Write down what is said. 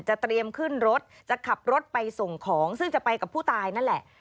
เตรียมขึ้นรถจะขับรถไปส่งของซึ่งจะไปกับผู้ตายนั่นแหละ